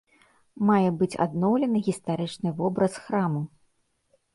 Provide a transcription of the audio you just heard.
Мае быць адноўлены гістарычны вобраз храму.